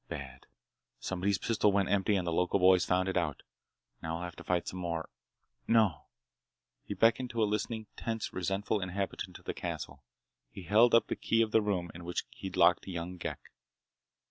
"Bad! Somebody's pistol went empty and the local boys found it out. Now we'll have to fight some more—no." He beckoned to a listening, tense, resentful inhabitant of the castle. He held up the key of the room in which he'd locked young Ghek.